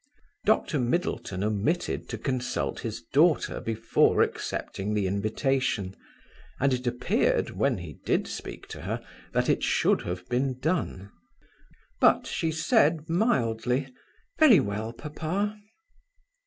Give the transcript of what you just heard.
Dr. Middleton omitted to consult his daughter before accepting the invitation, and it appeared, when he did speak to her, that it should have been done. But she said, mildly, "Very well, papa."